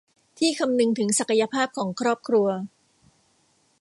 ที่คำนึงถึงศักยภาพของครอบครัว